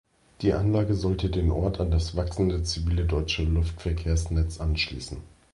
Die Anlage sollte den Ort an das wachsende zivile deutsche Luftverkehrsnetz anschließen.